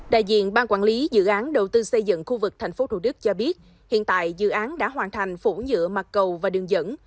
đại diện ban quản lý dự án đầu tư xây dựng khu vực tp thủ đức cho biết hiện tại dự án đã hoàn thành phủ nhựa mặt cầu và đường dẫn